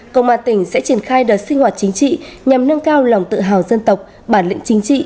công an tỉnh sẽ triển khai đợt sinh hoạt chính trị nhằm nâng cao lòng tự hào dân tộc bản lĩnh chính trị